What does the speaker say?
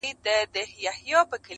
موږکان ډېر دي حیران ورته سړی دی,